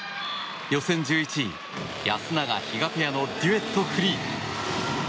予選１１位、安永、比嘉ペアのデュエットフリー。